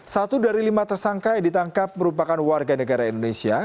satu dari lima tersangka yang ditangkap merupakan warga negara indonesia